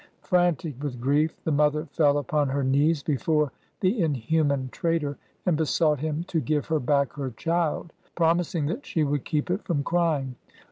Frantic with, grief, the mother fell upon her knees before the inhuman trader, and besought him to give her back her child, promising that she would keep it from crying.